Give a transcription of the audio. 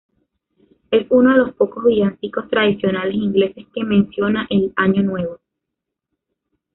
Es uno de los pocos villancicos tradicionales ingleses que menciona al año nuevo.